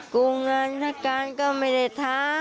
กูงานนักการก็ไม่ได้ทำ